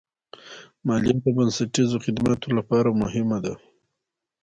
مالیه د بنسټیزو خدماتو لپاره مهمه ده.